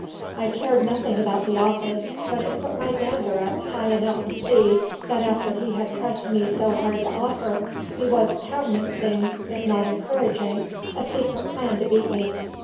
I cared nothing about the office, but it put my dander up high enough to see, that after he had pressed me so hard to offer, he was countenancing, if not encouraging, a secret plan to beat me.